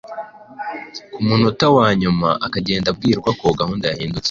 ku munota wa nyuma akagenda abwirwa ko gahunda yahindutse "